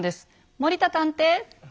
森田探偵。